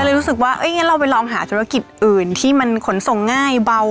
รู้สึกว่างั้นเราไปลองหาธุรกิจอื่นที่มันขนส่งง่ายเบา